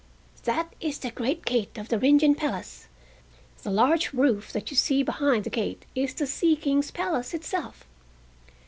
"That is the great gate of the Rin Gin Palace, the large roof that you see behind the gate is the Sea King's Palace itself."